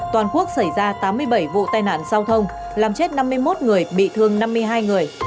toàn quốc xảy ra tám mươi bảy vụ tai nạn giao thông làm chết năm mươi một người bị thương năm mươi hai người